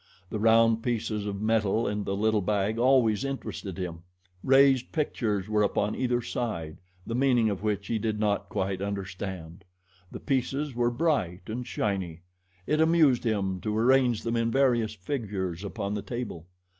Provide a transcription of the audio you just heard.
The round pieces of metal in the little bag always interested him. Raised pictures were upon either side, the meaning of which he did not quite understand. The pieces were bright and shiny. It amused him to arrange them in various figures upon the table.